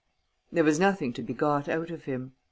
There was nothing to be got out of him.